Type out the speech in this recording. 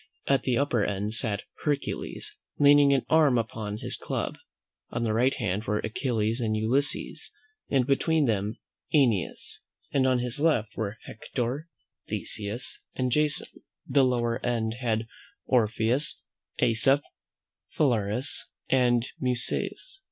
At the upper end sat Hercules, leaning an arm upon his club; on his right hand were Achilles and Ulysses, and between them AEneas; on his left were Hector, Theseus, and Jason: the lower end had Orpheus, AEsop, Phalaris, and Musaeus.